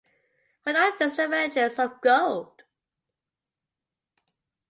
What are the disadvantages of gold?